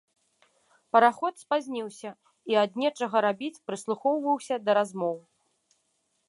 Параход спазніўся, і ад нечага рабіць прыслухоўваюся да размоў.